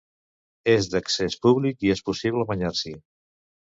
És d'accés públic i és possible banyar-s'hi.